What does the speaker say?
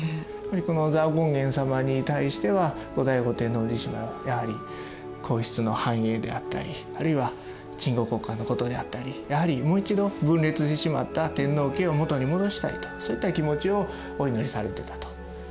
この蔵王権現様に対しては後醍醐天皇自身もやはり皇室の繁栄であったりあるいは鎮護国家のことであったりやはりもう一度分裂してしまった天皇家を元に戻したいとそういった気持ちをお祈りされてたと。